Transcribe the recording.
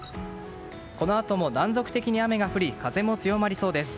このあとも断続的に雨が降り風も強まりそうです。